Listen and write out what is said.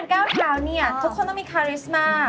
รู้ไหมว่าการ๙๙นี่ทุกคนต้องมีคาริสมา